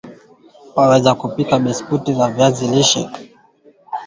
Waweza kupika biskuti za viazi lishe